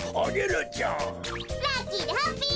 ラッキーでハッピー！